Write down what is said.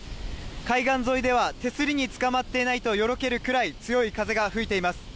海岸沿いでは手すりにつかまっていないとよろけるくらい強い風が吹いています。